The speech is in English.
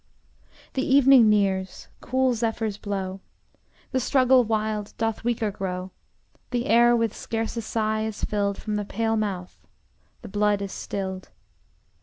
The evening nears; cool zephyrs blow; The struggle wild doth weaker grow; The air with scarce a sigh is filled From the pale mouth; the blood is stilled.